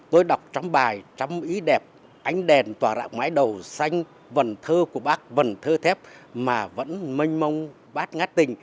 tôi đọc trăm bài trăm ý đẹp ánh đèn tỏa rạng mãi đầu xanh vần thơ của bác vần thơ thép mà vẫn mênh mông bác ngát tình